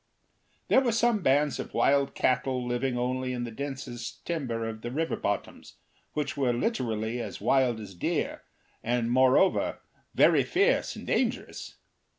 There were some bands of wild cattle living only in the densest timber of the river bottoms which were literally as wild as deer, and moreover very fierce and dangerous.